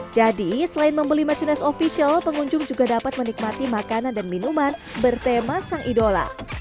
selain membeli masjid official pengunjung juga dapat menikmati makanan dan minuman bertema sang idola